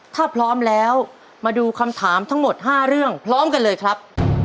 ถ้าพร้อมแล้วมาดูคำถามทั้งหมด๕เรื่องพร้อมกันเลยครับ